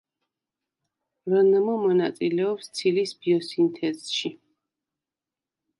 რნმ მონაწილეობს ცილის ბიოსინთეზში.